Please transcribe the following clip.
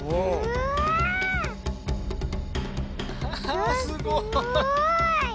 わあすごい。